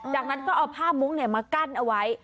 จากนั้นก็เอาผ้ามุ้งมากั้นเอาไว้